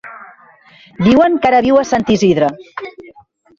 Diuen que ara viu a Sant Isidre.